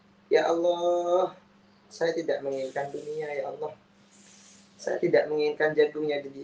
ya allah saya tidak menginginkan dunia ya allah saya tidak menginginkan jagungnya di